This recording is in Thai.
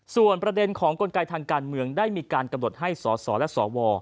ส่วนประเด็นของกลไกทางการเมืองได้มีการกำหนดให้สสและสว